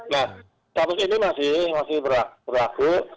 nah status ini masih berlaku